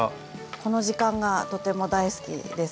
この時間がとても大好きです。